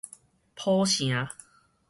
浦城